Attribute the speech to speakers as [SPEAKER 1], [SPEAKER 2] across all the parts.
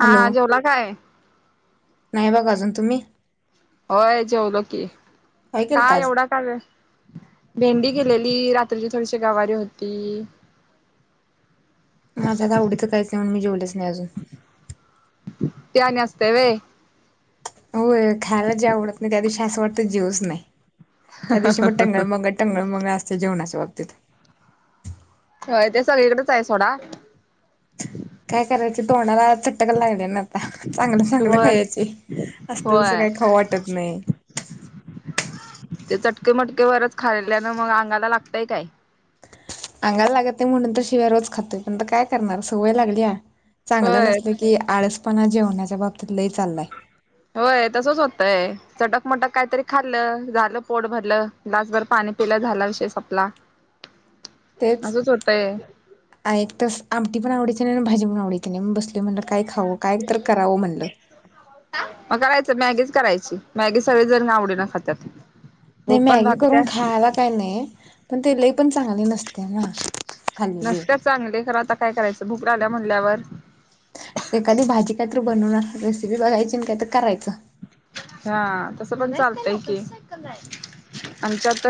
[SPEAKER 1] हा
[SPEAKER 2] हॅलो
[SPEAKER 1] हा, जेवला काय?
[SPEAKER 2] नाही बघ अजून तुम्ही?
[SPEAKER 1] होय जेवलो की
[SPEAKER 2] काय
[SPEAKER 1] का
[SPEAKER 2] केलंत आज
[SPEAKER 1] एवढा का ग? भेंडी गेलेली रात्रीची थोडीशी गवारी होती.
[SPEAKER 2] माझ्या आवडीच काहीच नाही, म्हणून मी जेवलेच नाही अजून.
[SPEAKER 1] ते आणि असतंय व्हय.
[SPEAKER 2] होय. खायला जे आवडत नाही त्या दिवशी असं वाटतं जेवूच नये त्या दिवशी मग टंगलमंगल टंगमंगळ असतय जेवणाच्या बाबतीत
[SPEAKER 1] व्हय ते सगळीकडच आहे सोडा
[SPEAKER 2] काय करायच तोंडाला चटक लागल्या ना चांगलं चांगलं
[SPEAKER 1] होय
[SPEAKER 2] खायची असलं तसंल
[SPEAKER 1] होय
[SPEAKER 2] काही खाऊ वाटत नाही
[SPEAKER 1] ते चटके मटके वरच खाल्यान मग अंगाला लागतय काय
[SPEAKER 2] अंगाला लागत नाही म्हणून तर शिव्या रोज खातोय पण आता काय करणार सवय लागल्या चांगलं
[SPEAKER 1] होय
[SPEAKER 2] नसल की आळसपणा जेवणाच्या बाबतीत लय चाललाय
[SPEAKER 1] होय तसंच होतय चटकमटक काहीतरी खाल्लं झालं पोट भरलं ग्लासभर पाणी पिलं झाला विषय संपला असंच होतंय
[SPEAKER 2] हा एक तास आमटी पण आवडीची नाही आणि भाजी पण आवडीची नाही म्हणून बसलोय म्हणलं काय खाऊ काय तर करावं म्हणलं
[SPEAKER 1] मग करायचं मॅगीच करायची मॅगी सगळी जण आवडीन खात्यात
[SPEAKER 2] नाही मॅगी करून खायला काही नाही पण ते लय पण चांगली नसत्या नसत्या ना खाल्लेली
[SPEAKER 1] चांगली खर आता काय करायचं भुक लागल्या म्हणल्यावर
[SPEAKER 2] एखादी भाजी काहीत बनवणार रेसिपी बघायची आणि काही तर करायचं
[SPEAKER 1] हा तसं पण चालतंय की आमच्यात.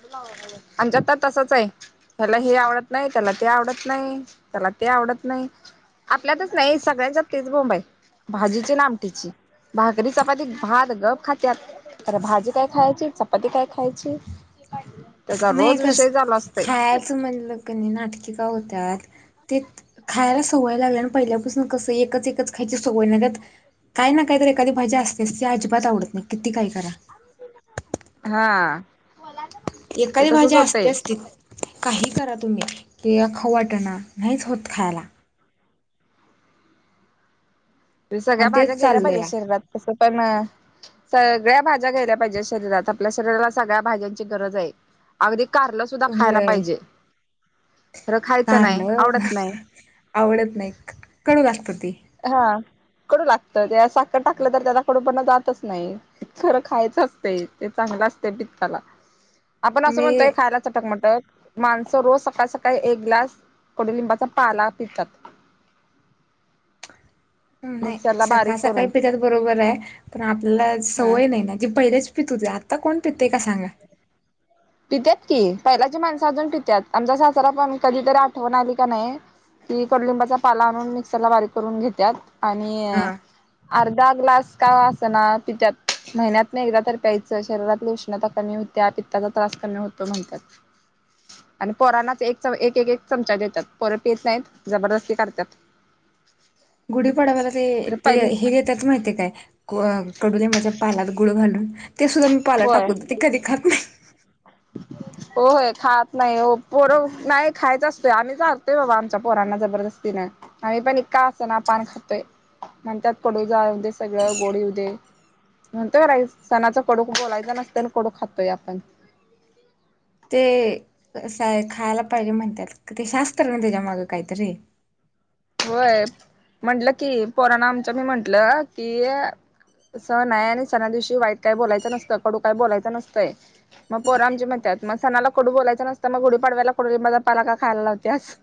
[SPEAKER 1] [inaudible] आमच्यात तर तसच आहे त्याला हे आवडत नाही त्याला ते आवडत नाही त्याला ते आवडत नाही आपल्यातच नाही सगळ्यांच्यात तेच बोंब हाय भाजीची आणि आमटीची भाकरी चपाती भात गप खात्यात खरं भाजी काय खायची चपाती काय खायची हे पाहिजे ग
[SPEAKER 2] नाही कस खायचं म्हणलं कनय नाटकि का होत्यात ते खायला सवय लागल्याल आणि पहिल्यापासून कसं एकच एकच खायची सवय नाही त्यात काय ना काही तर एखादी भाजी असत्याच ती अजिबात आवडत नाही किती काय करा
[SPEAKER 1] हा ते
[SPEAKER 2] एखादी भाजी
[SPEAKER 1] तसच होतंय
[SPEAKER 2] असत्याच ती काही करा तुम्ही की खाऊ वाटणा नाहीच होत खायला
[SPEAKER 1] तुझ्या सगळ्या
[SPEAKER 2] आणि
[SPEAKER 1] भाज्या
[SPEAKER 2] तेच
[SPEAKER 1] गेल्या पाहिजेत
[SPEAKER 2] चाललंय
[SPEAKER 1] शरीरात तसं पण सगळ्या भाज्या घ्यायल्या पाहिजे शरीरात आपल्या शरीराला सगळ्या भाज्यांची गरज आहे अगदी कारलं सुद्धा खायला
[SPEAKER 2] होय
[SPEAKER 1] पाहिजे खरं खायचं नाही
[SPEAKER 2] कारलं
[SPEAKER 1] आवडत नाही
[SPEAKER 2] आवडत नाही कडू लागतं ते
[SPEAKER 1] हा कडू लागत तेज्यात साखर टाकलं तर त्याचा कडू पना जातच नाही खरं खायचं असतय ते चांगलं असतय पित्ताला आपण असं
[SPEAKER 2] मी
[SPEAKER 1] म्हणतोय खायला चटकमटक माणसं रोज सकाळ सकाळी एक ग्लास कोडुलिंबाचा पाला पितात
[SPEAKER 2] हम नाही
[SPEAKER 1] मिक्सरला
[SPEAKER 2] सकाळ
[SPEAKER 1] बारीक
[SPEAKER 2] सकाळ
[SPEAKER 1] करून
[SPEAKER 2] पितात बरोबर आहे पण आपल्याला
[SPEAKER 1] हा
[SPEAKER 2] सवय नाही ना जे पहिलेच पित होते आता कोण पितय का सांगा
[SPEAKER 1] पित्यात की पहिल्याची माणसं अजून पित्यात आमचा सासरा पण कधीतरी आठवण आली कनाय ते कडूलिंबाचा पाला आणून मिक्सरला बारीक करून घेत्यात आणि
[SPEAKER 2] हा
[SPEAKER 1] अर्धा ग्लास का असना पित्यात महिन्यातन एकदा तर प्यायचं शरीरातल उष्णता कमी होत्या होत्या पित्ताचा त्रास कमी होतो म्हणतात आणि पोरांनाच एक च एक एक चमचा देत्यात पोर पित नाहीत जबरदस्ती करत्यात [inaudible]
[SPEAKER 2] गुढीपाडव्याला ते ते हे देतात माहितीय काय कडुलिंबाच्या पाल्यात गूळ घालून ते सुद्धा टाकून ते कधी खात नाही.
[SPEAKER 1] ह. होय खातं नाही हो पोर नाही खायचा असतोय आम्ही सगतोय बाबा आमच्या पोरांना जबरदस्ती न. आम्ही पण इतका असना पान खातोयं म्हणतात कडू जाऊ देे सगळं गोड येऊ देे. म्हणतोयं सणाचा कडूक बोलायचं नसत आणि कडू खातोयं आपण.
[SPEAKER 2] ते असं खायला पाहिजे म्हणतात ते शास्त्र त्याच्या माग काहीतरी.
[SPEAKER 1] होय म्हटलं की पोरनां आमचं मी म्हटलं की सण आहे आणि सणा दिवशी वाईट काय बोलायचं नसतं कडू काय बोलायचं नसतंय. मग पोरं आमची म्हणतंय मग सणाला कडू बोलायचं नसतं मग गुडी पाडवायला कडुलीबाचा पाला का खायला लावत्यास.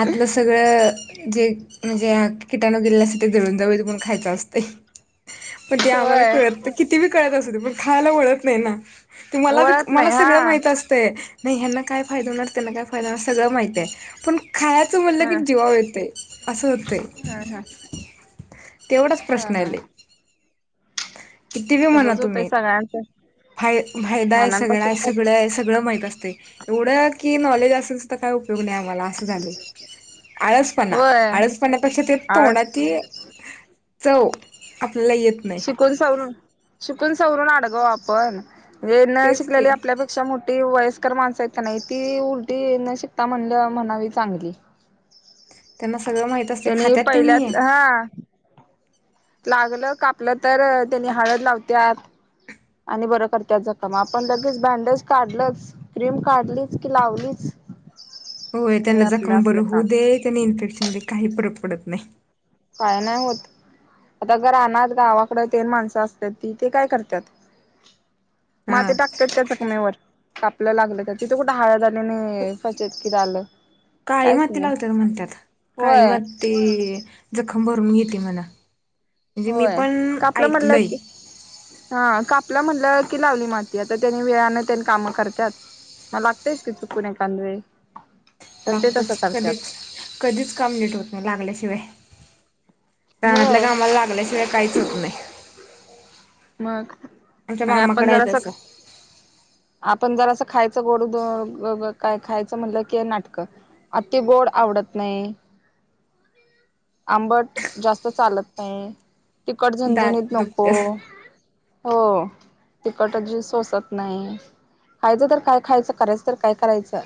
[SPEAKER 2] आतलं सगळं जे म्हणजे किटाणू गेलेल्या असतं ते जळून जवळ त पण खायचं असते पण ते आम्हाला
[SPEAKER 1] होय
[SPEAKER 2] कळतं. किती बी कळतं असू दे पण खायला वळत नाही ना ते मला
[SPEAKER 1] वळत
[SPEAKER 2] मला
[SPEAKER 1] नाही हा
[SPEAKER 2] सगळं माहित असते. नाही ह्यांना काय फायदा होणार त्यांना काय फायदा होणार सगळं माहिती आहे पण खायचं म्हणलं की
[SPEAKER 1] हा
[SPEAKER 2] जीवावर येते असं होते.
[SPEAKER 1] हा हा
[SPEAKER 2] तेवढाचं
[SPEAKER 1] हा
[SPEAKER 2] प्रश्न
[SPEAKER 1] हा
[SPEAKER 2] आले किती ब म्हणा
[SPEAKER 1] तसच होतंय
[SPEAKER 2] तुम्ही.
[SPEAKER 1] सगळ्यांचं
[SPEAKER 2] फाय फायदा आहे सगळा आहे
[SPEAKER 1] लहानांपासून
[SPEAKER 2] सगळं आहे सगळं माहीत असते. एवढं की नॉलेज, असेल त काय उपयोग नाही आम्हाला. झाली आळसपणा
[SPEAKER 1] होय
[SPEAKER 2] आळसपण्यापेक्षा ते
[SPEAKER 1] आळस
[SPEAKER 2] तोंडात. चव आपल्याला येतं.
[SPEAKER 1] शिकून सवरून शिकून सवरून अडगव आपण म्हणजे न
[SPEAKER 2] तेच की
[SPEAKER 1] शिकलेली आपल्याप. त्याक्षा मोठी वयस्कर माणसं आहेत का नाही ती उलटी न शिकता म्हणल्या म्हणावी चांगली.
[SPEAKER 2] त्यांना सगळं माहिती.
[SPEAKER 1] त्यांनी पहिल्यात हा. लागलं कापलं तर त्यानी हळद लावतात. आणि बरं करते जखम आपण लगेच बँडेज काढलचं. क्रीम काढलीचं की लावलीचं.
[SPEAKER 2] होय त्यांना जखम बरी होऊ दे त्यांनी इन्फेक्शन दे काही फरक पडतं नाही.
[SPEAKER 1] काय नाही होतं. आता ग राहना गावाकडे तेन माणसं असतात ती ते काय करतात. माती
[SPEAKER 2] हा
[SPEAKER 1] टाकतात त्या जखमेवर कापलं लागलं. तिथं कुठं हळद नाही फचत कि आलं. काहीच
[SPEAKER 2] काळीमाती
[SPEAKER 1] नाही
[SPEAKER 2] लावतात म्हणतात
[SPEAKER 1] होय
[SPEAKER 2] काळीमाती. जखम भरून येते म्हणा. म्हणजे मी
[SPEAKER 1] होय
[SPEAKER 2] पण
[SPEAKER 1] कापलं म्हटलं
[SPEAKER 2] ऐकलंय
[SPEAKER 1] की हा कापला म्हटलं की लावली माती आता त्यानी वेळने त्यांनी कामं करतात. लागतेयच की चुकून एखाद्या वेळेस तर ते तसं
[SPEAKER 2] लागतच
[SPEAKER 1] करत्यात.
[SPEAKER 2] कधीच कधीच कामं नीट होत नाही लागल्याशिवाय घराल्या
[SPEAKER 1] होय
[SPEAKER 2] कामाला लागल्याशिवाय काहीच होत नाही. आमच्या
[SPEAKER 1] मग आपण
[SPEAKER 2] मामाकडे आहे तसं
[SPEAKER 1] जरासक. आपण जरसं खायचं गोड का खायचं म्हणलं की नाटकं. आती गोड आवडत नाही. आंबट, जास्त चालत नाही तिकट
[SPEAKER 2] दात
[SPEAKER 1] झणझणीत नको.
[SPEAKER 2] दुखत्यात
[SPEAKER 1] हो तिखट जी सोसत नाही. खायचं, तर काय खायचं, करायचं तर काय करायचं.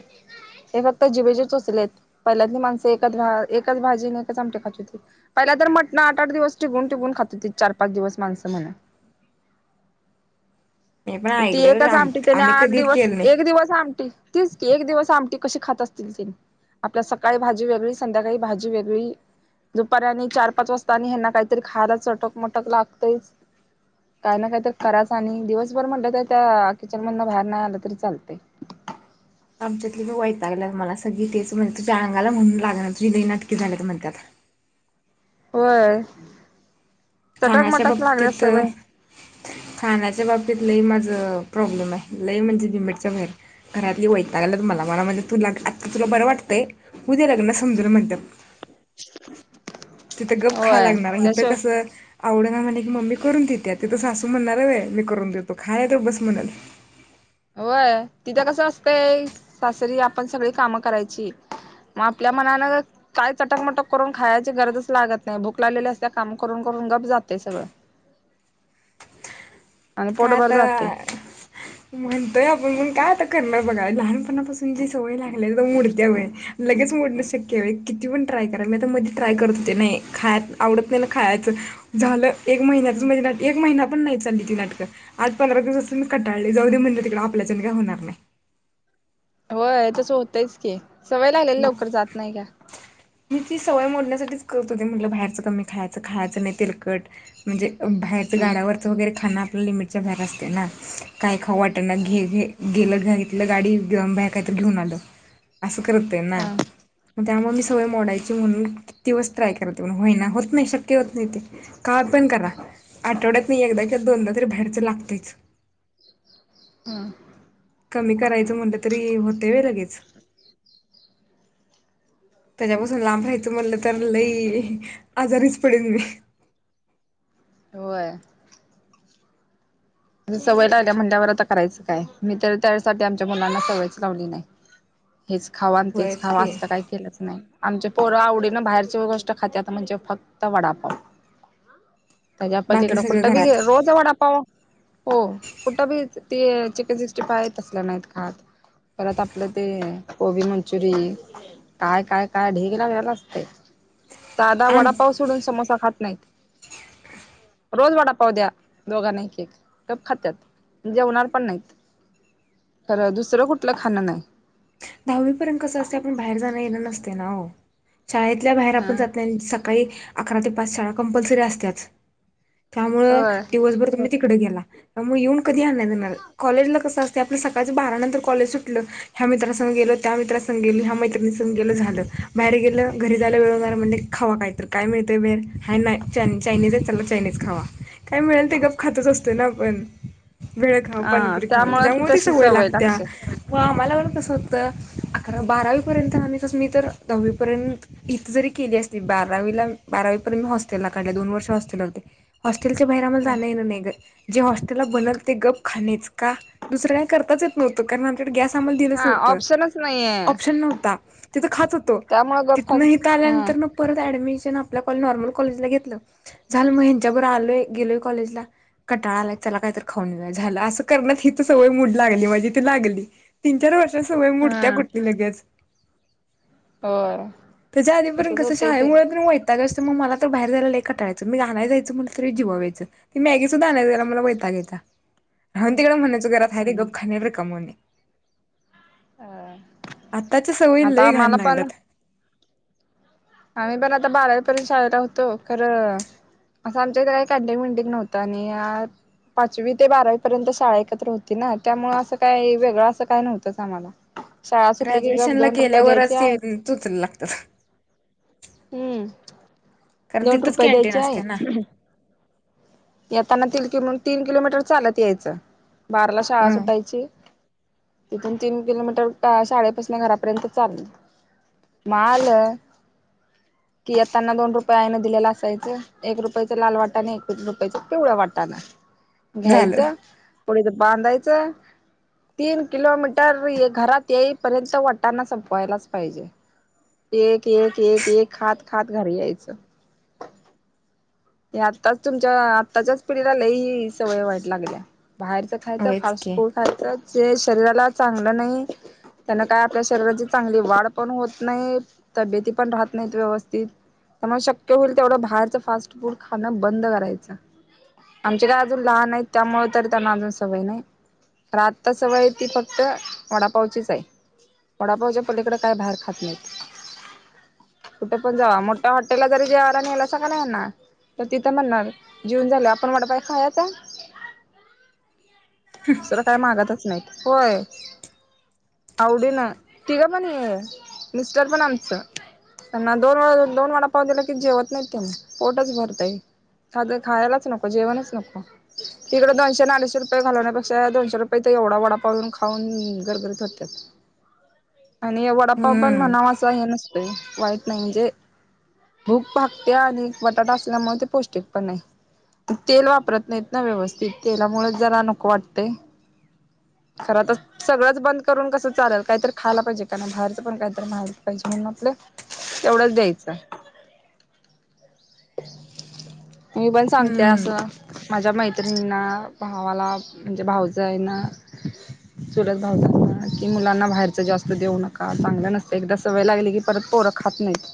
[SPEAKER 1] हे फक्त जिभेचे चोचलेत पहिल्यातली माणसे एकाच एकचं भाजी आणि एकाचं आमटी खातं होती. पहिल्या तर मटण आठ आठ दिवस टिकून टिकून खात होती चार पाच दिवस माणसं म्हण.
[SPEAKER 2] मी पण
[SPEAKER 1] ती
[SPEAKER 2] ऐकलंय
[SPEAKER 1] एकच
[SPEAKER 2] आम
[SPEAKER 1] आमटी त्याने
[SPEAKER 2] आम्ही
[SPEAKER 1] आठ
[SPEAKER 2] कधी
[SPEAKER 1] दिवस
[SPEAKER 2] केलं नाही
[SPEAKER 1] एक दिवस आमटी. तीच की एक दिवस आमटी कशी खात असतील ती. आपल्याला सकाळी भाजी वेगळी संध्याकाळी भाजी वेगळी. दुपारी आणि चार पाच वाजता आणि हेना काहीतरी खायला चटक मटक लागतयच. काय ना काही तर कराच आणि दिवसभर म्हटलं तर त्या किचन मधन बाहेर नाही आलं तरी चालतय.
[SPEAKER 2] आमच्यातली बी वैतागल्यात मला सगळी तेच म्हणतात तुझ्या अंगाला म्हणून लागाना तुझी लई नाटकी झालेत म्हणत्यात.
[SPEAKER 1] होय चटक
[SPEAKER 2] खाण्याच्या
[SPEAKER 1] मटक लागलया
[SPEAKER 2] बाबतीत
[SPEAKER 1] सवय.
[SPEAKER 2] खाण्याच्या बाबतीत लई माझं प्रॉब्लेम ये लई म्हणजे लिमिटच्या बाहेर. घरातली वैतागल्यात मला मला म्हणत्यात तुला आता तुला बरं वाटतंय हुदे लग्न समजल म्हणत्यात.
[SPEAKER 1] [inaudible]
[SPEAKER 2] तिथं गप खायला
[SPEAKER 1] होय
[SPEAKER 2] लागणार इथ
[SPEAKER 1] त्याशिवाय
[SPEAKER 2] कस- आवडंना म्हणल की मम्मी करून देतीया तिथं सासू म्हणणार होय मी करुन देतो खाय गप्प बस म्हणल.
[SPEAKER 1] होय तिथे कसं असतंय सासरी आपण सगळी कामं करायची. मग आपल्या मनानं काही चटकमटक करून खायची गरजच लागत नाही भूक लागलेली असत्या काम करून करून गप जातय सगळं. आणि
[SPEAKER 2] काय
[SPEAKER 1] पोटभर जाते
[SPEAKER 2] आता म्हणतोय आपण पण काय आता करणार बघा लहानपणापासून जी सवय लागली ये एकदम मोडतिया व्हय. लगेच मोडणं शक्य आहे होय किती पण ट्राय करा मी आता मधी ट्राय करत होते नाही खाय आवडत नाही ना खायाचं - झालं एक महिन्याच म्हणजे
[SPEAKER 1] हम्म
[SPEAKER 2] ना एक महिना पण नाही चालली ती नाटकं. आज पंधरा दिवस असून कटाळले जाऊ देे म्हणजे तिकडे आपल्याच्यान काय होणार नाही.
[SPEAKER 1] होय तसं होतयच की सवय लागलेली लवकर जात नाही घ्या.
[SPEAKER 2] मी ती सवय मोडण्यासाठीच करत होते म्हटलं बाहेरचं कमी खायचं खायचं नाही तेलकट. म्हणजे [inaudible] ते
[SPEAKER 1] हम्म
[SPEAKER 2] गाड्यावरच वगैरे खाणं आपल्या लिमिटच्या बाहेर असते ना काय खाऊ वाटना घे घे. गेलं घे घेतलं गाडी घेऊनं बाहेर काहीतरी घेऊन आलो. करते ना
[SPEAKER 1] अ
[SPEAKER 2] मग त्यामुळे मी सवय मोडायची म्हणून. दिवस ट्राय करते पण होईना होत नाही शक्य होत नाही ते काय पण करा. आठवड्यातन एकदा किंवा दोनदा तरी बाहेरचं लागतयच.
[SPEAKER 1] हां
[SPEAKER 2] कमी करायचं म्हटलं तरी होतय वय लगेच. त्याच्यापासून लांब राहायचं म्हणलं तर लई आजारीच पडेल मी.
[SPEAKER 1] होय सवय लागल्या म्हणल्यावर आता करायचं काय मी तर त्यासाठी आमच्या मुलांना सवयच लावली नाही. हेच खावं आणि तेच
[SPEAKER 2] होयच
[SPEAKER 1] खावं
[SPEAKER 2] की
[SPEAKER 1] आसल काय केलंच नाही. आमचे पोरं आवडीन बाहेरची गोष्ट खात्यात म्हणजे फक्त वडापाव. याच्या
[SPEAKER 2] बाकी
[SPEAKER 1] पलीकडं
[SPEAKER 2] सगळं
[SPEAKER 1] कुठं बी
[SPEAKER 2] घरात
[SPEAKER 1] घे रोज वडा पाव. हो कुठं बी ते चिकन सिक्स्टी फाय तसल नाहीत खात. परत आपलं ते कोबी मंचुरी. काय काय काय ढीग लागलेला असतय साधा
[SPEAKER 2] आम
[SPEAKER 1] वडा पाऊस सोडून समोसा खात नाहीत रोज वडापाव द्या दोघांना एक एक. गप खात्यात जेवणार पण नाहीत खरं दुसरं कुठलं खाणं नाही.
[SPEAKER 2] दहावी पर्यंत कसं असतय आपण बाहेर जाण येणार नसतय ना ओ शाळेतल्या बाहेर
[SPEAKER 1] हा.
[SPEAKER 2] आपण जात नाही सका- काही अकरा ते पाच शाळा कंपल्सरी असत्याच त्यामुळ
[SPEAKER 1] होय
[SPEAKER 2] दिवसभर तुम्ही- तिकड गेला मग येऊन कधी आण येणार, कॉलेजला कसं असते आपल्या सकाळच बारा नंतर कॉलेज सुटलं, ह्या मित्रां गेलं, त्या मित्रा संग गेलं, ह्या मैत्रिणी संग गेलं झालं, बाहेर गेलं घरी जायला वेळ व्हायला म्हणलं की खावा काय तर काय मिळतंय बेर हाय नाय चायनीज आहे, चला चायनीज खावा. काय मिळेल ते गप खातचं असतो ना आपण. भेळ खावं,
[SPEAKER 1] हा
[SPEAKER 2] पाणीपुरी खावा,
[SPEAKER 1] त्यामुळे
[SPEAKER 2] त्याच्यामुळे ती
[SPEAKER 1] तशी
[SPEAKER 2] सवय लागत्या
[SPEAKER 1] लागते.
[SPEAKER 2] व आम्हाला कसं तर अकरा बारावीपर्यंत आम्ही तसं मी तर दहावीपर्यंत इथे जरी केली असती, बारावीला बारावीपर्यंत मी हॉस्टेलला काढले, दोन वर्ष मी हॉस्टेला काढले. हॉस्टेलच्या बाहेर आम्हाला जाणं येणं नाही ग. जे हॉस्टेलला बनल ते गप खाणेच का? दुसरं काही करताच येत नव्हतं, कारण आमच्याकडे गॅस आम्हाला दिलंच
[SPEAKER 1] हा
[SPEAKER 2] न्हवतं.
[SPEAKER 1] ऑप्शनच नाहीये
[SPEAKER 2] ऑप्शन नव्हता तिथं खात होतो,
[SPEAKER 1] त्यामुळे गप्प
[SPEAKER 2] तिथंन इथं
[SPEAKER 1] हा
[SPEAKER 2] आल्यानंतर परत ऍडमिशन आपल्या कॉल नॉर्मल कॉलेजला घेतलं. झालं मग ह्यांच्याबर आलोय, गेलोय कॉलेजला. कटाळा आलाय चला काय तर खाऊन येऊ, झालं असं करण्यात इथं सवय मूड लागली म्हणजे ती लागली. तीन चार वर्षात सवय मुडत्या
[SPEAKER 1] हा
[SPEAKER 2] कुठली लगेच?
[SPEAKER 1] होय.
[SPEAKER 2] त्याच्या आधीपर्यंत
[SPEAKER 1] तसच
[SPEAKER 2] कसं
[SPEAKER 1] होतंय ते
[SPEAKER 2] शाळेमुळं पण त्यावेळेस तर मग मला तर बाहेर जायला लई कंटाळा यायचं मी आणायला जायचं म्हटलं तरी जिवावर यायचं. ती मॅगी सुद्धा आणायला जायला मला वैताग यायचा, राहून तिकडे म्हणायचं घरात आहे ते गप खाणे आणि रिकामे होणे.
[SPEAKER 1] हा.
[SPEAKER 2] आताच्या सवयी लई घाण लागल्यात.
[SPEAKER 1] आम्ही पण आता बारावीपर्यंत शाळेला होतो खरं आता आमच्या घरात [unintelligible] नव्हतं आणि आज पाचवी ते बारावीपर्यंत शाळा एकत्र होती ना, त्यामुळे असं काय वेगळं असं काय नव्हतंच आम्हाला. शाळा सुटली की गप दोन रुपये द्यायचे आई.
[SPEAKER 2] चोचले लागतात,
[SPEAKER 1] हम्म
[SPEAKER 2] कारण
[SPEAKER 1] दोन
[SPEAKER 2] तिथंच
[SPEAKER 1] रुपये
[SPEAKER 2] कॅन्टीन
[SPEAKER 1] द्यायचे
[SPEAKER 2] असते ना.
[SPEAKER 1] आहे येताना तीन किल, तीन किलोमीटर चालत यायचं, बाराला शाळा
[SPEAKER 2] हं
[SPEAKER 1] सुटायची. तिथून तीन किलोमीटर त्या शाळेपासून घरापर्यंत चालत. मग आलं कि येताना दोन रुपये आईने दिलेले असायचं, एक रुपयच लाल वाटाणे आणि एक रुपय च पिवळा वाटाणा
[SPEAKER 2] झालं.
[SPEAKER 1] घ्यायचं पिढीत बांधायचं तीन किलोमीटर घरात येईपर्यंत वाटाणा संपवायलाच पाहिजे. एक एक एक एक खात खात घरी यायचं. हे आताच तुमच्या आत्ताच्याच पिढीला लई सवय वाईट लागल्या, बाहेरचं खायचं,
[SPEAKER 2] होयच
[SPEAKER 1] फास्ट
[SPEAKER 2] की.
[SPEAKER 1] फूड खायचं, जे शरीराला चांगलं नाही त्यांना काय आपल्या शरीराची चांगली वाढ पण होत नाही, तब्येती पण राहत नाहीत व्यवस्थित. त्यामुळे शक्य होईल तेवढं बाहेरचं फास्ट फूड खाणं बंद करायचं. आमचे काय अजून लहान आहेत, त्यामुळे तरी त्यांना अजून काय सवय नाही. अन् आता सवय ती फक्त वडापावचीच आहे. वडापावच्या पलीकडे काय बाहेर खात नाहीत. कुठे पण जावा, मोठ्या हॉटेलला जरी जेवायला नेलस का नाही यांना तर तिथं म्हणणार जेवून झाल्यावर आपण वडपाव खायाचा? दुसरं काय मागतच नाहीत. होय. आवडीनं तिघं पण हे मिस्टर पण आमचं. त्यांना दोन वेळा दोन वडापाव दिला की जेवत नाही त्यांनी पोटचं भर तय खा ग खायलाच नको जेवणच नको. तिकडे दोनशे अन् अडीचशे रुपये घालवण्यापेक्षा, दोनशे रुपये इथं एवढा वडापाव येऊन खाऊन गरगरीत होतात. आणि वडापपा पण [inaudible]
[SPEAKER 2] हम्म
[SPEAKER 1] म्हणावाच [inaudible] आहे न वाईट नाही म्हणजे भूप भकते्या आणि बटाटा [inaudible] मुळे ते पौष्टिक पण आहे. तेल वापरत नाहीत ना, व्यवस्थित तेलामुळे जरा [inaudible] नक वाटते खरं तरच सगळंच बंद करून कसं चालेल काहीतरी खायला पाहिजे, का बाहेरचं पण काहीतरी [inaudible] महायच पाहिजे म्हणून आपलं. तेवढंच द्यायचंय. मी पण सांगते
[SPEAKER 2] हम्म.
[SPEAKER 1] असं माझ्या माहिती त्रींना भावाला म्हणजे भावजई नां. [inaudible] सुरत भावतां कि मुलांना बाहेरच जास्त देऊ नका चांगलं नसत एकदा सवय लागली की परत पोरखात नाही.